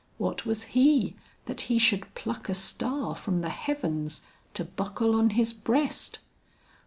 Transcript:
What was he that he should pluck a star from the heavens, to buckle on his breast!